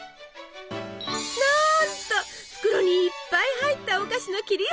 なんと袋にいっぱい入ったお菓子の切り落とし！